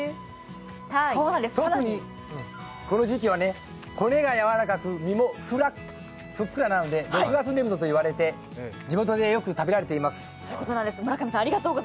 更にこの時期は骨がやわらかく身もふっくらなので６月ねぶとと言われて、地元でよく食べられています。